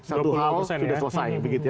satu hal sudah selesai